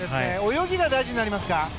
泳ぎが大事になりますか？